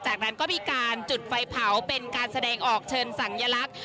จากนั้นก็มีการจุดไฟเผาเป็นการแสดงออกเชิงสัญลักษณ์